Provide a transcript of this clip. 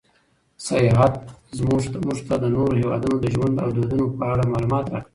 سیاحت موږ ته د نورو هېوادونو د ژوند او دودونو په اړه معلومات راکوي.